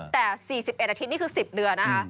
แต่๔๑อาทิตย์นี่คือ๑๐เดือนนะคะ